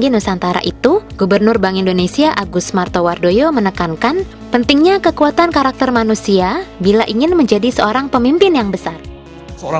ketika keberagaman diwujudkan dalam kebersamaan maka yang terjadi adalah semangat kebersatan